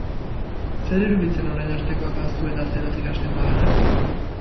Zer iruditzen orain artekoak ahaztu eta zerotik hasten bagara?